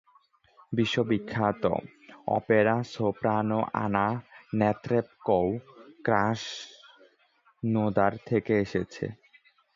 বিশ্ববিখ্যাত opera soprano Anna নেত্রেবকোও Krasnodar থেকে এসেছে।